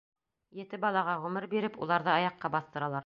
Ете балаға ғүмер биреп, уларҙы аяҡҡа баҫтыралар.